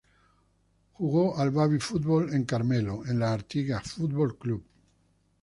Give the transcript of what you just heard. Jugó al baby fútbol en Carmelo, en el Artigas Fútbol Club.